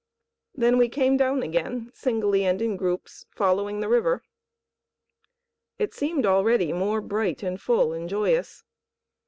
Then we came down again, singly and in groups, following the river. It seemed already more bright and full and joyous.